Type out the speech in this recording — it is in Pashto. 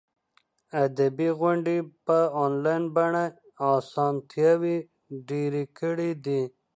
ادبي غونډې په انلاین بڼه اسانتیاوې ډېرې کړي دي.